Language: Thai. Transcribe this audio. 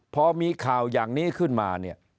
พอมีข่าวอย่างนี้ขึ้นมา